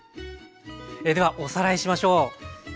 ではおさらいしましょう。